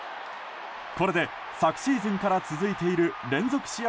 これで、昨シーズンから続いている連続試合